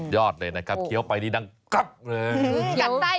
สุดยอดเลยนะกัดเคี้ยวไปนิดหนึ่งยังกัด